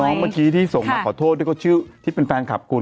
น้องเมื่อกี้ที่ส่งมาขอโทษที่เป็นแฟนคลับคุณ